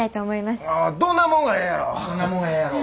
どんなもんがええんやろ？